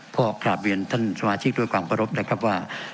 ก็กราบเรียนท่านสมาชิกด้วยความเคารพนะครับว่า